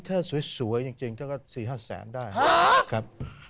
ใบนี้ถ้าสวยจริงถ้าก็สี่ห้าแสนได้ครับ